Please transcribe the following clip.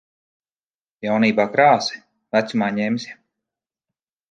Jaunībā krāsi, vecumā ņemsi.